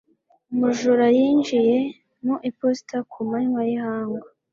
Umujura yinjiye mu iposita ku manywa y'ihangu.